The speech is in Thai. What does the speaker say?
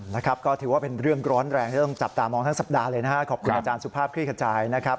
นะครับก็ถือว่าเป็นเรื่องร้อนแรงที่ต้องจับตามองทั้งสัปดาห์เลยนะฮะขอบคุณอาจารย์สุภาพคลี่ขจายนะครับ